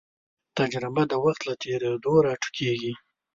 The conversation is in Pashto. تجربه د وخت له تېرېدو راټوکېږي.